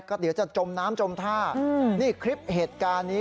ก็เดี๋ยวจะจมน้ำจมท่านี่คลิปเหตุการณ์นี้